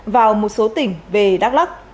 vào một số tỉnh về đắk lắc